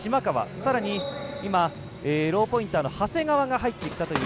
さらに今、ローポインターの長谷川が入ってきました。